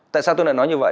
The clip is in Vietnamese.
tại sao tôi lại nói như vậy